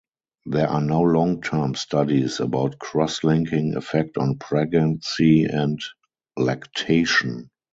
There are no long term studies about crosslinking effect on pregnancy and lactation.